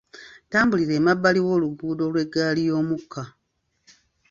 Ttambulira emabbali w'oluguudo lw'eggaali y'omukka.